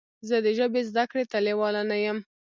زه د ژبې زده کړې ته لیواله نه یم.